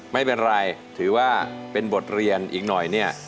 ไม่เป็นไรถือว่าเป็นบทเรียนอีกหน่อยเนี่ย